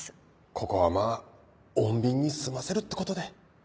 ここはまぁ穏便に済ませるってことで。